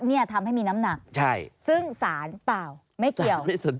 เนี่ยทำให้มีน้ำหนักซึ่งสารเปล่าไม่เกี่ยว